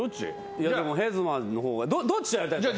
いやでもヘズマの方がどっちとやりたいですか？